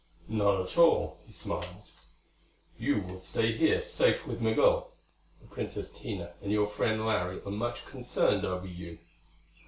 "Not at all," he smiled. "You will stay here, safe with Migul. The Princess Tina and your friend Larry are much concerned over you."